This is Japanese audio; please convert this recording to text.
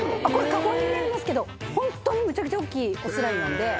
加工に見えますけどホントにむちゃくちゃ大っきいオスライオンで。